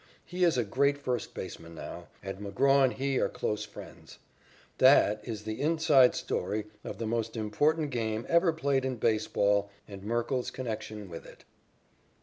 He is a great first baseman now, and McGraw and he are close friends. That is the "inside" story of the most important game ever played in baseball and Merkle's connection with it.